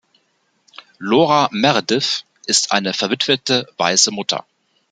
Lora Meredith ist eine verwitwete weiße Mutter.